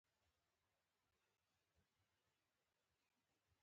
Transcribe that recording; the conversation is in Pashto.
رومیان له بارو سره هم پخېږي